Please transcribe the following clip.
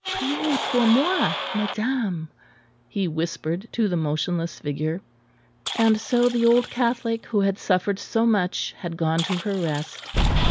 "Priez pour moi, madame," he whispered to the motionless figure. And so the old Catholic who had suffered so much had gone to her rest.